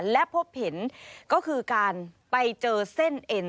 และพบเห็นก็คือการไปเจอเส้นเอ็น